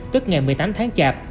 tức ngày một mươi tám tháng chạp